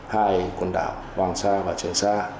hai quần đảo hoàng sa và trần sa